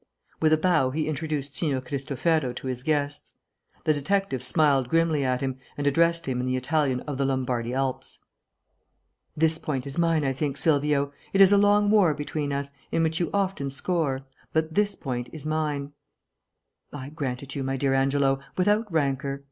With a bow he introduced Signor Cristofero to his guests. The detective smiled grimly at him, and addressed him in the Italian of the Lombardy Alps. "This point is mine, I think, Silvio. It is a long war between us, in which you often score, but this point is mine." "I grant it you, my dear Angelo, without rancour.